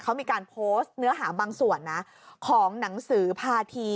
เขามีการโพสต์เนื้อหาบางส่วนนะของหนังสือภาษี